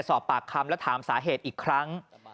สอบปากคำและถามสาเหตุอีกครั้ง